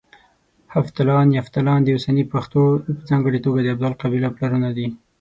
هفتلان، يفتالان د اوسني پښتنو په ځانګړه توګه د ابدال قبيله پلرونه دي